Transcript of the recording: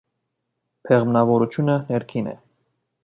Բեղմնավորությունը ներքին Է։